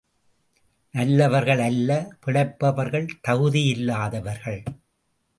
நல்லவர்கள் அல்ல பிழைப்பவர்கள் தகுதியில்லாதவர்கள்!